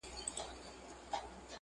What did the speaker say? په رباب کي بم او زیر را سره خاندي,